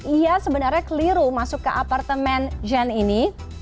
ia sebenarnya keliru masuk ke apartemen jan ini